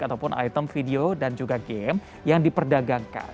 ataupun item video dan juga game yang diperdagangkan